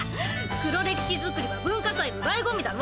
黒歴史作りは文化祭のだいご味だろ？